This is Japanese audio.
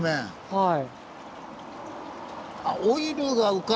はい。